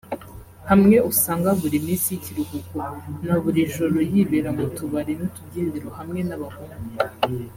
hamwe usanga buri minsi y’ikiruhuko na buri joro yibera mu tubari n’utubyiniro hamwe n’abahungu